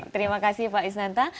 terima kasih pak isnanta